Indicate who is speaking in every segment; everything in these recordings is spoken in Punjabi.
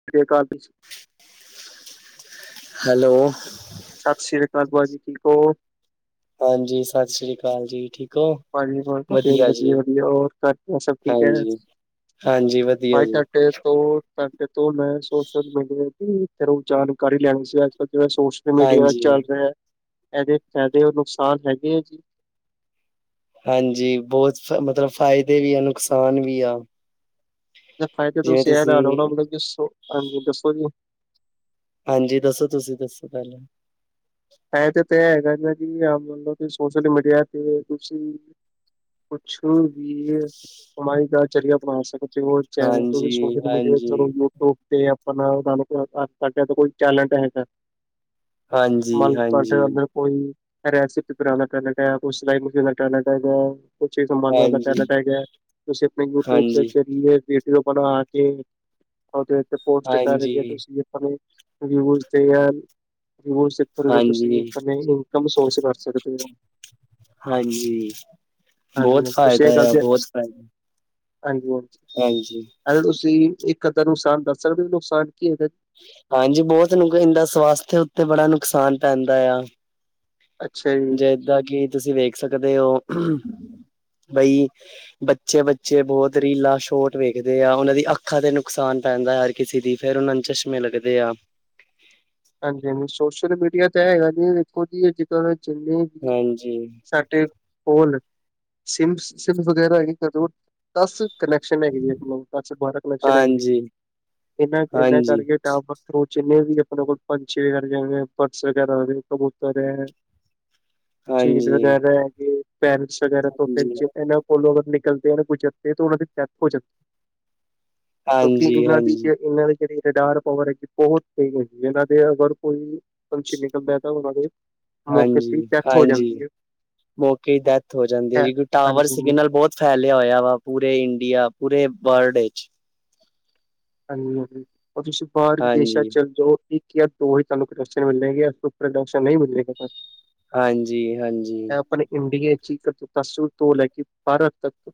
Speaker 1: [unintelligible]
Speaker 2: ਹੈਲੋ।
Speaker 1: ਸਤਿ ਸ੍ਰੀ ਅਕਾਲ ਭੂਆ ਜੀ ਠੀਕ ਓ।
Speaker 2: ਹਾਂਜੀ ਸਤਿ ਸ੍ਰੀ ਅਕਾਲ ਜੀ ਠੀਕ। ਹੋ?
Speaker 1: ਪਾਣੀ ਤੇਜ਼
Speaker 2: ਵਧੀਆ ਜੀ,
Speaker 1: ਵਧੀਆ-ਵਧੀਆ ਹੋਰ ਘਰ ਸਭ ਠੀਕ ਐ।
Speaker 2: ਹਾਂਜੀ। ਹਾਂਜੀ ਵਧੀਆ
Speaker 1: ਭਾਈ
Speaker 2: ਜੀ,
Speaker 1: ਤਾਂਟੇ ਤੋ ਤੇ ਤੋਂ ਮੈਂ ਸੋਸ਼ਲ ਮੀਡੀਆ ਦੀ ਫਿਰ ਜਾਣਕਾਰੀ ਲੈਣੀ ਸੀ ਅੱਜਕੱਲ ਜਿਹੜਾ ਸ਼ੋ ਮੀਡੀਆ
Speaker 2: ਹਾਂਜੀ।
Speaker 1: ਚੱਲ ਰਿਹਾ, ਇਹਦੇ ਫਾਇਦੇ ਨੁਕਸਾਨ ਹੈਗੇ ਆ ਜੀ।
Speaker 2: ਹਾਂਜੀ ਬਹੁਤ ਮਤਲਬ ਫਾਇਦੇ ਵੀ ਆ ਨੁਕਸਾਨ ਵੀ ਆ।
Speaker 1: ਇਹਦਾ ਫਾਇਦਾ ਤੁਸੀਂ ਇਹ ਲਾ ਲਾ ਲੋ ਉਣਾ ਮਤਲਬ ਜੋ ਹਾਂਜੀ ਦੱਸੋ ਜੀ।
Speaker 2: ਹਾਂਜੀ ਦੱਸੋ ਤੁਸੀਂ ਦੱਸੋ ਪਹਿਲਾਂ।
Speaker 1: ਐ ਤੇ ਤਾਂ ਹੈਗਾ ਜੀ ਮੰਨ ਲਓ ਕਿ ਸੋਸ਼ਲ ਮੀਡੀਆ ਤੇ ਤੁਸੀਂ ਕੁਛ ਵੀ, ਕਮਾਈ ਦਾ ਜ਼ਰੀਆ ਬਣਾ ਸਕਦੇ ਹੋ। ਚੈਨਲ ਤੋਂ ਵੀ
Speaker 2: ਹਾਂਜੀ,
Speaker 1: ਸੋਸ਼ਲ ਮੀਡੀਆ
Speaker 2: ਹਾਂਜੀ,
Speaker 1: 'ਚ ਯੂਟਿਊਬ ਤੇ ਆਪਣਾ ਸਾਨੂੰ ਕਰ ਤਾਂ ਕੋਈ ਟੈਲੈਂਟ ਹੈਗਾ।
Speaker 2: ਹਾਂਜੀ,
Speaker 1: ਮੰਨ ਲੋ
Speaker 2: ਹਾਂਜੀ,
Speaker 1: ਤੁਹਾਡੇ ਅੰਦਰ ਕੋਈ, ਰੈਸਪੀ ਬਣਾਣ ਦਾ ਟੈਲੇਂਟ ਏ ਕੋਈ ਸਿਲਾਈ ਮਸ਼ੀਨ ਦਾ ਟੈਲੇਂਟ ਏ ਜਾਂ ਕੁਛ ਚੀਜ਼ ਸੰਬਾਨ ਦਾ
Speaker 2: ਹਾਂਜੀ। ਹਾਂਜੀ,
Speaker 1: ਟੈਲੇਂਟ ਹੈਗਾ, ਤੁਸੀਂ ਆਪਣੇ ਯੂਟਿਊਬ ਦੇ
Speaker 2: ਹਾਂਜੀ,
Speaker 1: ਜ਼ਰੀਏ ਵੀਡੀਓ ਬਣਾ ਕੇ, ਉਦੇ ਉੱਤੇ ਪੋਸਟ ਕਰ ਕੇ ਰਵਿਊਜ ਤੇ ਆ, ਰਵਿਊਜ ਕਰ
Speaker 2: ਹਾਂਜੀ,
Speaker 1: ਤੁਸੀਂ ਪਰ ਨਹੀ ਕੰਮ ਸੋਸ ਕਰ ਸਕਦੇ ਓ।
Speaker 2: ਹਾਂਜੀ, ਬਹੁਤ ਫਾਇਦਾ ਆ ਬਹੁਤ ਫਾ
Speaker 1: ਹਾਂਜੀ-ਹਾਂਜੀ, ਪਹਿਲੇ ਤੁਸੀਂ ਇ ਇੱਕ ਅੱਧਾ ਨੁਕਸਾਨ ਦੱਸ ਸਕਦੇ ਵੀ ਨੁਕਸਾਨ ਕੀ ਇਹਦਾ?
Speaker 2: ਹਾਂਜੀ ਬਹੁਤ ਨੂੰ ਕਹਿੰਦਾ ਸਵਾਸ ਦੇ ਉੱਤੇ ਬੜਾ ਨੁਕਸਾਨ ਪੈਂਦਾ ਆ।
Speaker 1: ਅੱਛਾ ਜੀ।
Speaker 2: ਜੇ ਇਦਾਂ ਗੀਤ ਤੁਸੀਂ ਵੇਖ ਸਕਦੇ ਹੋ, ਬਈ ਬੱਚੇ-ਬੱਚੇ ਬਹੁਤ ਰੀਲਾ ਸ਼ੋਟ ਵੇਖਦੇ ਆ ਉਹਨਾਂ ਦੀ ਅੱਖਾਂ ਤੇ ਨੁਕਸਾਨ ਪੈਂਦਾ। ਕਿਸੇ ਦੀ ਫਿਰ ਉਹਨਾਂ ਨੂੰ ਚਸ਼ਮੇ ਲੱਗਦੇ ਆ।
Speaker 1: ਹਾਂਜੀ-ਹਾਂਜੀ ਸੋਸ਼ਲ ਮੀਡੀਆ ਤਾਂ ਹੈਗਾ ਨੀ ਦੇਖੋ ਜੀ ਅੱਜਕੱਲ ਜਿੰਨੀ
Speaker 2: ਹਾਂਜੀ।
Speaker 1: ਸਾਡੇ ਕੋਲ, ਸਿੰਮ ਸਿੰਮਜ ਵਗੈਰਾ ਹੈਗੇ ਕਦੋ ਦਸ ਕਨੈਕਸ਼ਨ ਹੈਗੇ ਜੀਲਬ ਦਸ ਬਾਰਾਂ ਕਨੈਕਸ਼ਨ ਹੈਗੇ,
Speaker 2: ਹਾਂਜੀ
Speaker 1: ਇਹਨਾਂ ਇਹਨਾਂ
Speaker 2: ਹਾਂਜੀ
Speaker 1: ਟਾਰਗੇਟ ਬਰਥਰੋਂ ਜਿੰਨੇ ਵੀ ਆਪਣੇ ਕੋਲ ਪੰਛੀ ਵਗੈਰਾ ਜਾਂ ਪਰਸ ਵਗੈਰਾ ਕਬੂਤਰ ਐ ਚੀਨ
Speaker 2: ਹਾਂਜੀ
Speaker 1: ਵਗੈਰਾ ਹੈਗੇ, ਪੈਰਸ ਵਗੈਰਾ ਤੋਂ ਫਿਰ
Speaker 2: ਹਾਂਜੀ
Speaker 1: ਇਹ ਫੋਲੋ ਅਗਰ ਨਿਕਲਦੇ ਆ ਗੁਜਰਦੇ ਤਾਂ ਉਹਨਾਂ ਦੀ ਡੈਥ ਹੋ ਜਾਂਦੀ। ਕਿਉਂਕਿ
Speaker 2: ਹਾਂਜੀ
Speaker 1: ਇਹਨਾਂ ਦੀ ਜੇ
Speaker 2: ਹਾਂਜੀ
Speaker 1: ਇਹਨਾਂ ਦੀ ਜਿਹੜੀ ਰਡਾਰ ਪਾਵਰ ਹੈਗੀ ਬਹੁਤ ਸਹੀ ਹੈਗੀ ਇਹਨਾਂ ਦੇ ਅਗਰ ਕੋਈ, ਫੰਕਸ਼ਨ ਨਿਕਲਦਾ ਤਾਂ ਉਹਨਾਂ ਦੇ ਮੌਕੇ ਤੇ
Speaker 2: ਹਾਂਜੀ,
Speaker 1: ਡੈਥ ਹੋ
Speaker 2: ਹਾਂਜੀ,
Speaker 1: ਜਾਂਦੀ ਹੈ
Speaker 2: ਮੌਕੇ ਤੇ ਡੈਥ ਹੋ ਜਾਂਦੀ ਹੈ ਜੀ ਟਾਵਰ
Speaker 1: ਹਾਂਜੀ
Speaker 2: ਸਿਗਨਲ ਬਹੁਤ ਫੈਲਿਆ ਹੋਇਆ ਵਾ ਪੂਰੇ ਇੰਡੀਆ, ਪੂਰੇ ਵਰਲਡ ਵਿੱਚ।
Speaker 1: ਹਾਂਜੀ-ਹਾਂਜੀ ਓ ਤੁਸੀਂ ਬਾਹਰ ਵਿਦੇਸ਼ਾਂ
Speaker 2: ਹਾਂਜੀ
Speaker 1: 'ਚ ਚਲ ਜੋ ਇੱਕ ਕਿ ਯਾਰ ਉਹੀ ਤੁਹਾਨੂੰ ਪ੍ਰੋਡਕਸ਼ਨ ਮਿਲੇਗੀ ਜਾ ਪਰੋਡਕਸ਼ਨ ਨਹੀਂ ਮਿਲਗਾ ਤਹਾਨੂੰ।
Speaker 2: ਹਾਂਜੀ, ਹਾਂਜੀ।
Speaker 1: ਮੈਂ ਆਪਣੇ ਇੰਡੀਆ 'ਚ ਇੱਕ ਤਸ ਤੋਂ ਲੈ ਕੇ ਭਾਰਤ ਤੱਕ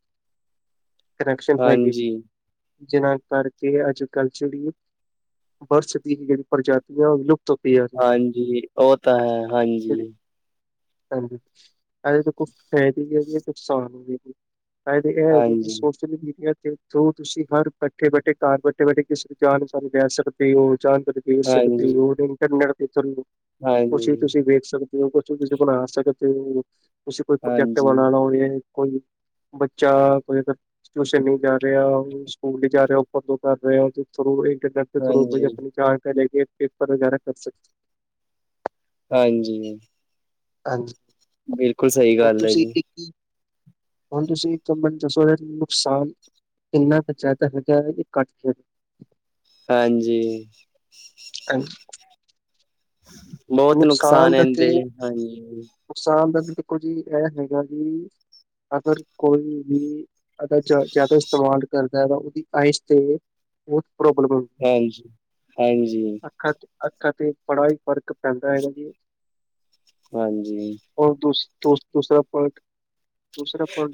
Speaker 1: ਕਨੈਕਸ਼ਨ ਹੈਗੇ,
Speaker 2: ਹਾਂਜੀ
Speaker 1: ਜਿਨਾ ਕਰ ਕਿ ਅੱਜਕੱਲ੍ਹ ਜਿਹੜੀਆ, ਬਰਸ ਦੀ ਜਿਹੜੀ ਪ੍ਰਜਾਤੀਆ ਹੁੰਦੀਆਂ ਉਹ ਲੁ
Speaker 2: ਹਾਂਜੀ ਉਹ ਤਾਂ ਹੈ ਹਾਂਜੀ।
Speaker 1: ਹਾਂਜੀ, ਅਜੇ ਤਾਂ ਕੁਛ ਸੋਸਾਇਟੀ ਹੈਗੀ ਆ ਕੁਛ ਸ਼ਾਮ ਦੀ ਫਾਇਦੇ ਇਹ ਹੈਗੇ ਕਿ
Speaker 2: ਹਾਂਜੀ
Speaker 1: ਸੋਸ਼ਲ ਮੀਡੀਆ ਦੇ ਥਰੂ ਤੁਸੀਂ ਹਰ ਬੈਠੇ-ਬੈਠੇ ਘਰ ਬੈਠੇ-ਬੈਠੇ ਕਿਸੇ ਦੀ ਜਾਨਕਾਰੀ ਲੈ ਸਕਦੇ ਓ ਜਾਨਕਾਰੀ ਦੇ
Speaker 2: ਹਾਂਜੀ
Speaker 1: ਸਕਦੇ ਓ ਉਹ ਨਹੀ। ਚੰਨਥਰ, ਕੁਛ
Speaker 2: ਹਾਂਜੀ,
Speaker 1: ਤੁਸੀਂ ਵੇਖ ਸਕਦੇ ਹੋ, ਕੁਛ ਵੀ ਤੁਸੀਂ ਬਣਾ ਸਕਦੇ ਹੋ ਤੁਸੀ ਕੋਈ, ਪ੍ਰੋਜੈਕਟ
Speaker 2: ਹਾਂਜੀ,
Speaker 1: ਬਣਾਉਣਾ ਹੋਵੇ, ਕੋਈ ਬੱਚਾ ਕੋਈ ਅਗਰ ਟਸ਼ਨ ਨਹੀਂ ਜਾ। ਰਿਹਾ, ਸਕੂਲ ਨ ਜਾ ਰਿਹਾ, ਉੱਪਰ ਤੋਂ ਕਰ ਰਿਹਾ, ਉਹਦੇ ਥਰੂ ਇੰਟਰਨੈਟ ਦੇ ਥਰੂ ਕੋ,
Speaker 2: ਹਾਂਜੀ,
Speaker 1: ਆਪਣੀ ਜਾਣ ਕੇ ਲੈ ਕੇ। ਪੇਪਰ, ਪਰੁਾਰਾ ਕਰ ਸਕ।
Speaker 2: ਹਾਂਜੀ।
Speaker 1: ਹਾਂਜੀ,
Speaker 2: ਬਿਲਕੁਲ ਸਹੀ
Speaker 1: ਹਰ,
Speaker 2: ਗੱਲ ਹੈ
Speaker 1: ਤੁਸੀਂ
Speaker 2: ਜੀ।
Speaker 1: ਇੱਕ ਕੀ। ਹੁਣ, ਤੁਸੀਂ, ਇੱਕ ਮੈਨੂੰ ਦੱਸੋ, ਇਹ ਨੁਕਸਾਨ। ਕਿੰਨਾ ਕੁ, ਚਾ ਦਾ ਹੈਗਾ, ਇਹ ਕੱਟ ਖੇਡ।
Speaker 2: ਹਾਂਜੀ।
Speaker 1: ਹਾਂਜੀ।
Speaker 2: ਬਹੁਤ, ਨੁਕਸਾਨ
Speaker 1: ਦਾ ਤੇ
Speaker 2: ਇਦੇ ਹਾਂਜੀ।
Speaker 1: ਨੁਕਸਾਨ ਦਾ ਵੀ ਦੇਖੋ ਜੀ, ਇਹ ਹੈਗਾ ਵੀ ਅਗਰ ਕੋਈ ਵੀ। ਦਾ ਜ਼ਿਆਦਾ, ਇਸਤੇਮਾਲ ਕਰਦਾ ਹੈ, ਤਾਂ ਉਹਦੀ ਆਈਸ ਤੇ ਬਹੁਤ ਪ੍ਰੋਬਲਮੁੰ
Speaker 2: ਹਾਂਜੀ -ਹਾਂਜੀ
Speaker 1: ਅੱਖਾਂ ਚ, ਅੱਖਾਂ ਤੇ ਬੜਾ ਹੀ ਫ਼ਰਕ ਪੈਂਦਾ ਹੈਗਾ ਜੀ।
Speaker 2: ਹਾਂਜੀ।
Speaker 1: ਔਰ ਦ ਦੂਸਰਾ ਪਾਰਟ।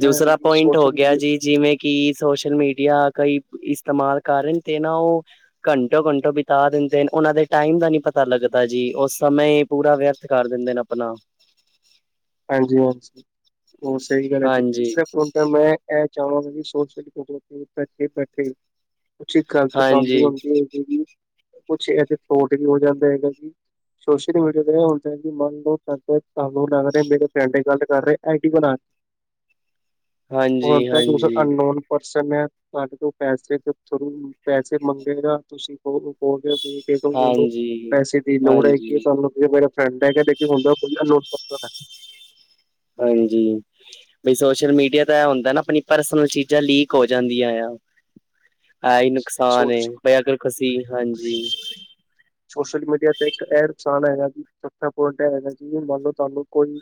Speaker 2: ਦੂਸਰਾ, ਪੁਆਇੰਟ ਹੋ ਗਿਆ
Speaker 1: ਮੀਡੀਆ
Speaker 2: ਜੀ, ਜਿਵੇਂ। ਕਿ ਸੋਸ਼ਲ ਮੀਡੀਆ, ਕਈ ਇਸਤੇਮਾਲ ਕਰਨ ਤੇ, ਨਾ ਉਹ ਘੰਟੋ- ਘੰਟੋ, ਬਿਤਾ ਦਿੰਦੇ ਨੇ, ਉਹਨਾਂ ਦੇ ਟਾਈਮ ਦਾ ਨੀ ਪਤਾ ਲੱਗਦਾ ਜੀ ਉਸ ਸਮੇਂ। ਪੂਰਾ ਵਿਅਰਥ, ਕਰ ਦਿੰਦੇ ਨੇ ਆਪਣਾ
Speaker 1: ਹਾਂਜੀ- ਹਾਂਜੀ, ਉਹ ਸਹੀ ਗੱਲ ਹੈ, ਜੀ
Speaker 2: ਹਾਂਜੀ,
Speaker 1: ਤੀਸਰਾ। ਮੈਂ ਇਹ, ਚਾਹਵਾਂ ਸੋਚੇ ਬੈਠੇ। ਕੁਛ ਗ਼ਲਤ, ਕੰਮ ਵੀ
Speaker 2: ਹਾਂਜੀ,
Speaker 1: ਹੁੰਦੀ ਹੈਗੀ, ਜ ਕੁਛ ਇਹਦੇ ਫਰੋਡ, ਵੀ ਹੋ ਜਾਂਦਾ ਹੈਗਾ ਜ। ਸੋਸ਼ਲ ਮੀਡੀਆ ਤੇ ਹੁੰਦਾ ਹੈ ਮਨ। ਮੇਰੇ ਪਿੰਡ ਦੀ, ਗੱਲ ਕਰ ਰਹੇ, ਆਈ ਡ ਬਣਾ ਹਣ,
Speaker 2: ਹਾਂਜੀ,
Speaker 1: ਤਾਂ
Speaker 2: ਹਾਂਜੀ,
Speaker 1: ਅਨਨੋਨ ਪਰਸਨ ਮੈਂ, ਤੁਹਾਡੇ ਕੋਲ, ਪੈਸੇ ਥੋਾਨੂੰ ਪੈਸੇ ਮੰਗੇਗਾ, ਤੁਸੀਂ ਹੋ। ਹੋਗੇ ਤੁਂ, ਤੁਹਾਨੂੰ,
Speaker 2: ਹਾਂਜੀ।
Speaker 1: ਪੈਸੇ ਦੀ ਲੋੜ ਹੈਗੀ ਹੈ,
Speaker 2: ਹਾਂਜੀ,
Speaker 1: ਤੁਹਾਨੂੰ ਮੇਰੇ ਠੰਡਾ ਹੈ, ਕਿ ਦੇਖ, ਹੁੰਦਾ ਖੁੱਲ ਲੋ ਪੱ।
Speaker 2: ਹਾਂਜੀ, ਬ ਸੋਸ਼ਲ ਮੀਡੀਆ, ਤਾਂ ਇਹ ਹੁੰਦਾ ਨਾ, ਆਪਣੀ ਪਰਸਨਲ ਚੀਜ਼ਾਂ ਲੀਕ ਹੋ ਜਾਂਦੀਆਂ ਆ, ਐਹੀ ਨੁਕਸਾਨ
Speaker 1: ਸੋਚ
Speaker 2: ਬ, ਅਗਰ ਤੁਸੀਂ ਹਾਂਜੀ
Speaker 1: ਸੋਸ਼ਲ ਮੀਡੀਆ ਤੇ, ਇੱਕ ਇਹ ਨੁਕਸਾਨ ਹੈਗਾ ਜੀ, ਚਥਾ ਪਟ ਹੈਗਾ, ਜਿ ਮੰਨ ਲੋ ਤੁਹਾਨੂੰ ਕੋਈ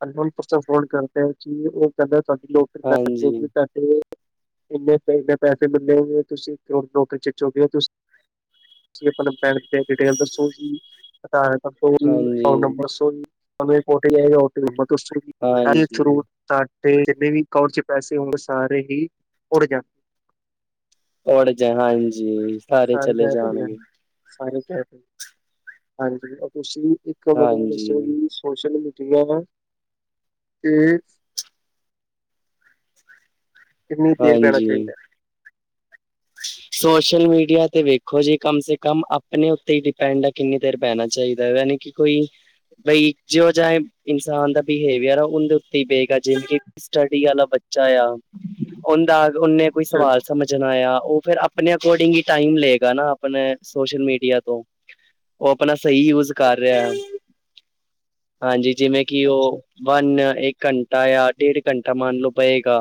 Speaker 1: ਕਰ, ਉਹ ਕਹਿੰਦਾ ਤੁਹਾਡੀਟ
Speaker 2: ਹਾਂਜੀ,
Speaker 1: ਲ। ਤੇ ਇੰਨੇ -ਇੰਨੇ, ਪੈਸੇ ਮਿਲਦੇ, ਤੁਸੀਂ ਕਰੋੜ ਨੌਕਰੀ ਚ ਚੁਗੇ ਹੋ ਤੁਸੀਂ। ਤੁਂ ਆਪਣਾ, ਪੈਨ ਬੈਂਕ ਡਿਟੇਲ ਦੱਸੋ ਜੀ, ਆਧਾਰ ਦੱਸੋ ਜੀ, ਓ
Speaker 2: ਹਾਂਜੀ।
Speaker 1: ਨੰਬਰ ਦੱਸੋ ਜੀ।
Speaker 2: ਹਾਂਜੀ
Speaker 1: [unintelligible] ਤੇ ਜਿੰਨੇ ਵੀ ਏਕਾਊਂਟ 'ਚ ਪੈਸੇ ਹੋਗੇ, ਸਾਰੇ ਹੀ ਉੜ ਜਾਣ।
Speaker 2: ਔੜ ਜਾਨ ਹਾਂਜੀ, ਸਾਰੇ ਚਲੇ
Speaker 1: ਗਾਇਬ ਹੋ ਜਾਣ
Speaker 2: ਜਾਣਗੇ।
Speaker 1: ਸਾਰੇ ਕਹਿ ਹਾਂਜੀ, ਤੁਸੀਂ ਇੱਕ ਮੈਨੂੰ ਇਹ ਦੱਸੋ
Speaker 2: ਹਾਂਜੀ।
Speaker 1: ਜੀ। ਸੋਸ਼ਲ ਮੀਡੀਆ ਨਾ, ਤੇ ਇੰਨੀ ਦੇਰ ਬੈਣਾ
Speaker 2: ਹਾਂਜੀ
Speaker 1: ਚਾਹੀਦਾ?
Speaker 2: ਸੋਸ਼ਲ ਮੀਡੀਆ ਤੇ ਵੇਖੋ ਜੀ, ਕਮ ਸੇ ਕਮ ਆਪਣੇ ਉੱਤੇ ਹੀ ਡਿਪੈਂਡ ਹੈ, ਕਿੰਨੀ ਦੇਰ, ਪਹਿਣਾ ਚਾਹੀਦਾ। ਯਾਨੀ ਕਿ ਕੋਈ ਬਈ, ਜੋ ਚਾਹੇ ਇਨਸਾਨ ਦਾ ਬਿਹੇਵੀਅਰ ਆ ਉਹਦੇੱ, ਉਤੇ ਗਾ ਜਿਵੇ, ਸਟੱਡੀ ਵਾਲਾ ਬੱਚਾ ਆ, ਉਹਦਾ ਉਨੇ ਨੇ ਕੋਈ
Speaker 1: ਅੱਛਾ
Speaker 2: ਸਵਾਲ ਸਮਝਨਾ ਯਾ। ਓ ਫੇਰ ਆਪਨੇ ਅਕੋਰਡਿੰਗ ਹੀ ਟਾਈਮ ਲਏਗਾ ਨਾ ਆਪਨੇ ਸੋਸ਼ਲ ਮੀਡੀਆ ਤੋਂ। ਓ ਅਪਨਾ ਸਹੀ ਯੂਜ ਕਰ ਰਿਹਾ ਹਾਂਜੀ, ਜਿਵੇਂ ਕਿ
Speaker 1: ਅੱਛਾ
Speaker 2: ਉਹ ਵੰਨ, ਇੱਕ ਘੰਟਾ ਯਾ ਡੇਢ ਘੰਟਾ ਮੰਨ ਲੋ ਪਏਗਾ।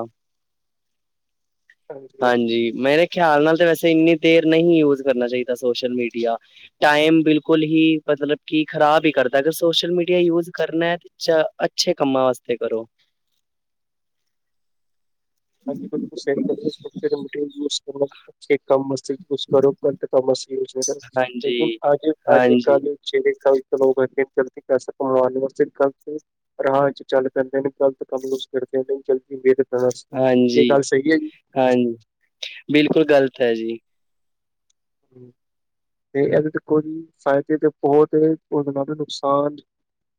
Speaker 2: ਹਾਂਜੀ, ਮੇਰੇ ਖਿਆਲ ਨਾਲ ਤਾਂ ਵੈਸੇ ਇੰਨੀ ਦੇਰ ਨਈ ਯੂਜ ਕਰਨਾ ਚਾਹੀਦਾ ਸੋਸ਼ਲ ਮੀਡੀਆ। ਟਾਈਮ ਬਿਲਕੁਲ ਹੀ ਮਤਲਬ ਕੀ ਖ਼ਰਾਬ ਹੀ ਕਰਦਾ ਅਗਰ ਸੋਸ਼ਲ ਮੀਡੀਆ ਯੂਜ ਕਰਨਾ ਚ ਅੱਛੇ ਕੰਮਾਂ ਵਾਸਤੇ ਕਰੋ।
Speaker 1: ਹੰਜੀ ਬਿਲਕੁਲ ਸਹੀ ਕਹਿ ਰਿਹੋ, ਸੋਸ਼ਲ ਮੀਡਿਆ ਯੂਸ ਕਰੋ ਸਹੀ ਕੰਮ ਵਾਸਤੇ। ਯੂਸ ਕਰੋ ਗਲਤ ਕੰਮ ਵਾਸਤੇ ਯੂਸ ਨਾ ਕਰੋ ਲੇਕਿਨ
Speaker 2: ਹਾਂਜੀ
Speaker 1: ਅੱਜ-ਅੱਜ
Speaker 2: ਹਾਂਜੀ
Speaker 1: ਕੱਲ [unintelligible] ਪੈਸਾ ਕਮਾਣ ਵਾਸਤੇ ਗਲਤ ਰਾਹ ਵਿੱਚ ਚੱਲ ਪੈਂਦੇ ਨੇ, ਗ਼ਲਤ ਕੰਮ [unintelligible] ਕਰਦੇ ਨੇ, ਜਲਦੀ [unintelligible]
Speaker 2: ਜੀ
Speaker 1: ਗੱਲ ਸਹੀ ਹੈ ਜੀ।
Speaker 2: ਹਾਂ, ਬਿਲਕੁਲ ਗ਼ਲਤਏ ਜੀ।
Speaker 1: ਤੇ ਐ ਦੇ ਦੇਖੋ ਜੀ ਫਾਇਦੇ ਤੇ ਬੋਹਤ ਏ ਹੋਰ ਨਾਲੇ ਨੁਕਸਾਨ।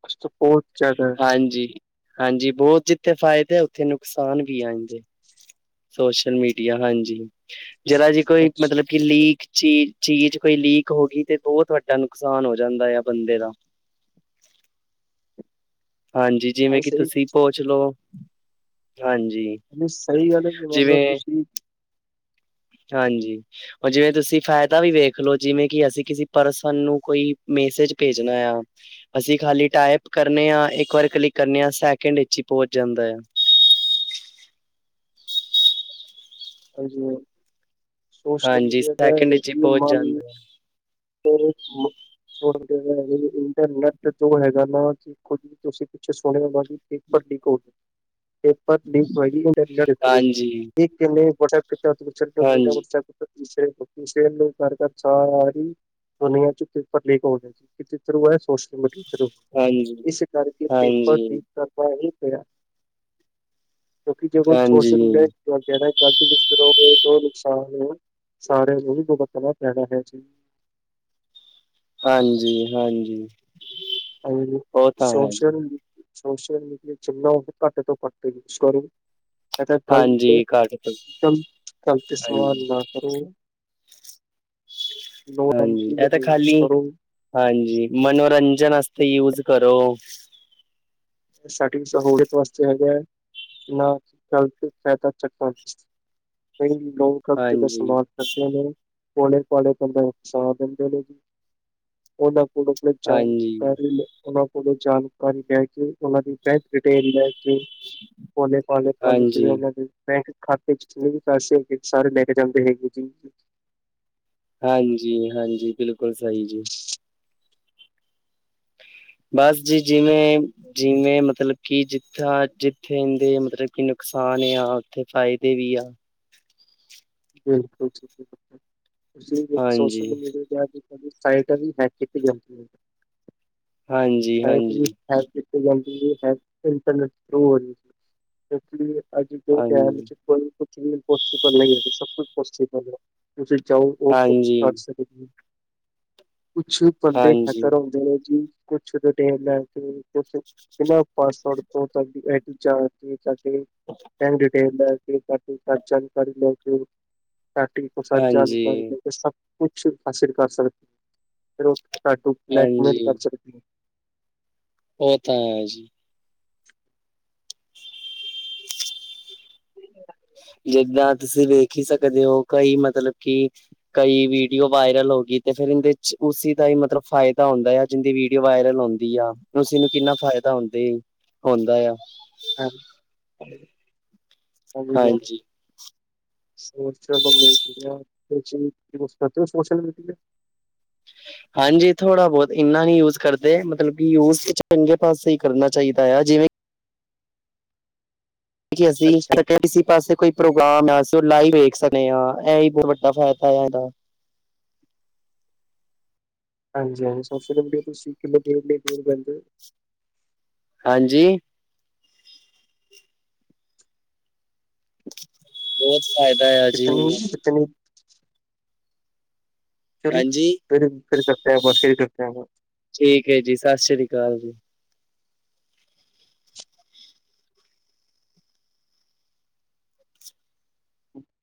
Speaker 1: ਉਸ ਤੋਂ ਬੌਤ ਜਾਦਾ।
Speaker 2: ਹਾਂਜੀ -ਹਾਂਜੀ ਬੋ ਜਿੱਥੇ ਫਾਇਦੇ ਉੱਥੇ ਨੁਕਸਾਨ ਵੀ ਆ ਹਾਂਜੀ। ਸੋਸ਼ਲ ਮੀਡੀਆ ਹਾਂਜੀ ਜਰਾ ਜੀ ਕੋਈ
Speaker 1: ਅੱਛਾ,
Speaker 2: ਮਤਲਬ ਕਿ ਲੀਕ ਚੀ ਚੀਜ਼ ਕੋਈ ਲੀਕ ਹੋ ਗੀ ਤੇ ਬੌਤ ਵੱਡਾ ਨੁਕਸਾਨ ਹੋ ਜਾਂਦਾ ਆ ਬੰਦੇ ਦਾ। ਹਾਂਜੀ ਜਿਵੇਂ
Speaker 1: ਹਾਂ
Speaker 2: ਕਿ
Speaker 1: ਸਹੀ
Speaker 2: ਤੁਸੀਂ ਪੋਚ ਲੋ ਹਾਂਜੀ
Speaker 1: ਨੀ ਸਈ ਗੱਲ ਐ ਕਿ ਮਾਨ ਲੋ
Speaker 2: ਜਿਵੇਂ
Speaker 1: ਤੁਸੀਂ
Speaker 2: ਹਾਂਜੀ ਹੁਨ ਜਿਵੇਂ ਤੁਸੀਂ ਫਾਇਦਾ ਵੀ ਵੇਖ ਲੋ ਜਿਵੇਂ ਕਿ ਅਸੀਂ ਕਿਸੀ ਪਰਸਨ ਨੂੰ ਕੋਈ ਮੈਸੇਜ ਭੇਜਨਾ ਆ ਅਸੀਂ ਖਾਲੀ ਟਾਈਪ ਕਰਨੇ ਆ ਇੱਕ ਵਾਰ ਕਲਿੱਕ ਕਰਨੇ ਆ ਸੈਕਿੰਡ ਇਚ ਹੀ ਪਹੁੰਚ ਜਾਂਦਾ ਆ।
Speaker 1: ਹਾਂਜੀ ਸੋਸ਼ਲ
Speaker 2: ਹਾਂਜੀ
Speaker 1: ਮੀਡੀਆ ਕਹਿ
Speaker 2: ਸੈਕਿੰਡ
Speaker 1: ਲੋ
Speaker 2: ਵਿੱਚ ਹੀ
Speaker 1: ਕਿ
Speaker 2: ਪਹੁੰਚ
Speaker 1: ਮਾਨ
Speaker 2: ਜਾਂਦਾ
Speaker 1: [unintelligible] ਇੰਟਰਨੈਟ ਜੋ ਹੈਗਾ ਨਾ ਕਿ ਤੁਸੀਂ ਪਿੱਛੇ ਸੁਣਿਆ ਹੋਨਾ ਕਿ ਪੇਪਰ ਲੀਕ ਹੋ ਗੇ। ਪੇਪਰ ਲੀਕ [unintelligible]
Speaker 2: ਆ। ਹਾਂਜੀ,
Speaker 1: ਇੱਕ ਨੇ ਪ੍ਰੋਟੈਕਟ ਕੀਤਾ ਤੇ
Speaker 2: ਹਾਂਜੀ।
Speaker 1: [inaudible] [unintelligible] ਪੇਪਰ ਲੀਕ ਹੋ ਗੇ ਜੀ ਕਿਧਰੋਂ ਆਯਾ ਸੋਸ਼ਲ ਮੀਡੀਆ।
Speaker 2: ਹਾਂਜੀ,
Speaker 1: ਇਸ ਕਰਕੇ ਪੇਪਰ
Speaker 2: ਹਾਂਜੀ,
Speaker 1: ਦੀ ਕਰਦਾ ਉਹੀ ਪਿਆ ਕਿਉਂਕਿ ਜੋ [unintelligible]
Speaker 2: ਹਾਂਜੀ,
Speaker 1: ਸੋਸ਼ਲ ਮੀਡੀਆ ਵਗੈਰਾ ਗਲਤ ਕੁਛ ਕਰੋਗੇ ਤੇ ਉਹ ਨੁਕਸਾਨ ਸਾਰਿਆਂ ਨੂੰ ਹੀ ਭੁਗਤਨਾ ਪੈਨਾ ਹੈ ਜੀ।
Speaker 2: ਹਾਂਜੀ-ਹਾਂਜੀ।
Speaker 1: ਹਾਂਜੀ ਸੋਸ਼ਲ-ਸੋਸ਼ਲ, ਮੀਡੀਆ ਜਿੰਨਾ ਹੋ ਸਕੇ ਘੱਟ ਤੋਂ ਘੱਟ ਯੂਜ ਕਰੋ। ਏਦਾਂ
Speaker 2: ਹਾਂਜੀ
Speaker 1: ਗ਼ਲਤ-ਗਲਤ,
Speaker 2: ਘੱਟ ਤੋਂ
Speaker 1: ਗ਼ਲਤ ਇਸਤੇਮਾਲ
Speaker 2: ਹਾਂਜੀ,
Speaker 1: ਨਾ ਕਰੋ। ਲੋੜਾਂ
Speaker 2: ਹਾਂਜੀ ਏ
Speaker 1: ਯੂਜ
Speaker 2: ਤਾਂ ਖਾਲੀ
Speaker 1: ਕਰੋ ਇਹ
Speaker 2: ਹਾਂਜੀ, ਮਨੋਰੰਜਨ ਆਸਤੇ ਯੂਜ ਕਰੋ।
Speaker 1: ਸਾਡੀ ਸਹੂਲਅਤ ਵਸਤੇ ਹੈਗਾ ਨਾ ਕੀ ਗਲਤ ਫਾਇਦਾ ਚੱਕਣ ਚ। ਫੇਰ ਵੀ ਲੋਕ
Speaker 2: ਹਾਂਜੀ,
Speaker 1: [unintelligible] ਭੋਲੇ ਭਾਲੇ ਬੰਦੇ ਨੂੰ ਫਸਾ ਦਿੰਦੇ ਨੇ ਜੀ ਉਹਨਾਂ ਕੋਲ
Speaker 2: ਹਾਂਜੀ,
Speaker 1: [unintelligible] ਉਨਾ ਕੋਲੋਂ ਜਾਣਕਾਰੀ ਲੈ ਕੇ ਉਨਾਂ ਦੀ ਬੈਂਕ ਡਿਟੇਲ ਲੈ ਕੇ ਤੇ ਭੋਲੇ-ਭਾਲੇ ਪਾਣੀ ਚ
Speaker 2: ਹਾਂਜੀ।
Speaker 1: ਰਹਿਣ ਲੱਗ ਗਈ। ਬੈਂਕ ਖਾਤੇ ਚ ਜਿੰਨੇ ਵੀ ਪੈਸੇ ਹੈਗੇ ਸਾਰੇ ਲੈ ਕੇ ਜਾਂਦੇ ਹੈਗੇ ਜੀ।
Speaker 2: ਹਾਂਜੀ-ਹਾਂਜੀ ਬਿਲਕੁਲ ਸਹੀ ਜੀ। ਬਸ ਜੀ ਜਿਵੇਂ ਜਿਵੇਂ ਮਤਲਬ ਕਿ ਜਿੱਥਾ ਜਿੱਥੇ ਇਹਦੇ ਮਤਲਬ ਕਿ ਨੁਕਸਾਨ ਆ ਔਥੇ ਫਾਇਦੇ ਵੀ ਆ।
Speaker 1: ਬਿਲਕੁਲੀ ਜੀ ਬਿਲਕੁਲ ਤੁਸੀਂ ਵੀ ਸੋਸ਼ਲ
Speaker 2: ਹਾਂਜੀ,
Speaker 1: ਮੀਡੀਆ ਸਾਈਟਾ ਵੀ ਹੈਕ ਕੀਤੀ ਜਾਂਦੀਆਂ
Speaker 2: ਹਾਂਜੀ,
Speaker 1: ਸਾਈਟ
Speaker 2: ਹਾਂਜੀ,
Speaker 1: ਵੀ ਹੈਕ ਕੀਤੀ ਜਾਂਦੀ ਜੀ ਹੈਕ ਇੰਟਰਨੈਟ ਥਰੂ ਹੋ ਰਹੀ ਸੀ ਇਸ ਲਈਏ ਆਜ ਦੇ ਟੇਈਮ
Speaker 2: ਹਾਂਜੀ,
Speaker 1: ਚ ਕੋਈ ਕੁਛ ਵੀ ਇਨਪੋਸੀਬਲ ਨਹੀਂ ਹੈ ਸਭ ਕੁਛ ਪੋਸੀਬਲ ਹੈ। ਤੁਸੀਂ ਚੋ ਉਹ ਕੁਛ
Speaker 2: ਹਾਂਜੀ,
Speaker 1: ਕਰ ਸਕਦੇ ਹੋ ਕੁਛ ਬੰਦੇ ਹੈਕ
Speaker 2: ਹਾਂਜੀ,
Speaker 1: ਕਰਉਂਦੇ ਨੇ ਜੀ ਕੁਛ ਡਿਟੇਲ ਲੈ ਕੇ ਕੁਛ ਬਿਨਾਂ ਪਾਸਵਰਡ ਤੋਂ
Speaker 2: [inaudible]
Speaker 1: [unintelligible]
Speaker 2: ਹਾਂਜੀ।
Speaker 1: [unintelligible] ਸਭ ਕੁਛ ਹਾਸਿਲ ਕਰ ਸਕਦੇ ਫੇਰ ਓ ਤੁਹਾਨੂੰ ਬਲੈਕਮੇਲ ਕਰ
Speaker 2: ਹਾਂਜੀ,
Speaker 1: ਸਕਦੀ ਏ।
Speaker 2: ਓਹ ਤਾਂ ਹੈ ਜੀ। ਜਿੱਦਾਂ ਤੁਸੀਂ ਵੇਖੀ ਸਕਦੇ ਹੋ, ਕਈ ਮਤਲਬ ਕਿ ਕਈ ਵੀਡੀਓ ਵਾਇਰਲ ਹੋ ਗਈ, ਤੇ ਫੇਰ ਇਹਦੇ ਚ ਉਸਸੀ ਦਾ ਹੀ ਮਤਲਬ ਫਾਇਦਾ ਹੁੰਦਾ ਆ। ਜਿੰਦੀ ਵੀਡੀਓ ਵਾਇਰਲ ਹੁੰਦੀ ਆ, ਉਸਨੂੰ ਕਿੰਨਾ ਫਾਇਦਾ ਹੁੰਦੇ ਹੁੰਦਾ ਆ। ਹਾਂਜੀ।
Speaker 1: [unintelligible] ਸੋਸ਼ਲ ਮਿਲਤੀ ਆ ਚੀ ਹੋ ਸੋਸ਼ਲ ਮਿਲਤੀ ਹੈ।
Speaker 2: [inaudible] ਹਾਂਜੀ ਥੋੜ੍ਹਾ ਬਹੁਤ ਇੰਨਾ ਨ ਯੂਜ ਕਰਦੇ ਮਤਲਬ ਕਿ ਯੂਜ ਚੰਗੇ ਪਾਸੇ ਹੀ ਕਰਨਾ ਚਾਹੀਦਾ ਆ ਜਿਵੇਂ ਜੀ ਅਸੀਂ ਕਟਰ ਕਿਸੇ ਪਾਸੇ ਕੋਈ ਪ੍ਰੋਗਰਾਮ ਆ, ਅਸੀਂ ਉਹ ਲਾਈਵ ਵੇਖ ਸਕਦੇ ਹਾਂ ਇਹਹੀ ਬਹੁਤ ਵੱਡਾ ਫਾਇਦਾ ਆ ਇਹਦਾ।
Speaker 1: ਹਾਂਜੀ, ਹਾਂਜੀ ਸਭ ਤੋਂ ਵਧੀਆ ਤੁਸੀਂ [unintelligible]
Speaker 2: ਹਾਂਜੀ। ਬਹੁਤ ਫ਼ਾਇਦਾ ਆ ਜੀ।
Speaker 1: ਚਲੋ। ਚਲੋ
Speaker 2: ਹਾਂਜੀ
Speaker 1: ਫਿਰ- ਫਿਰ ਕਰਤੇ [unintelligible]
Speaker 2: ਠੀਕ ਹੈ ਜੀ ਸਤਿ ਸ੍ਰੀ ਅਕਾਲ ਜੀ।
Speaker 1: [inaudible]